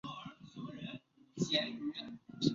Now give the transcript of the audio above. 张则向陈惠谦询问意见。